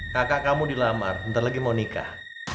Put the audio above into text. kakak kamu dilamar bentar lagi mau nikah